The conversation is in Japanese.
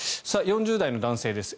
４０代の男性です。